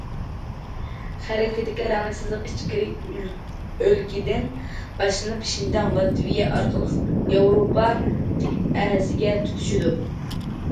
خەرىتىدىكى رەڭلىك سىزىق ئىچكىرى ئۆلكىدىن باشلىنىپ، شىنجاڭ، لاتۋىيە ئارقىلىق ياۋروپا قىتئەسىگە تۇتىشىدۇ.